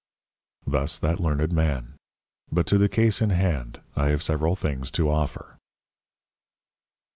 Thus that Learned Man. But to the Case in hand, I have several things to offer.